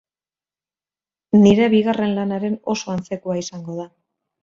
Nire bigarren lanaren oso antzekoa izango da.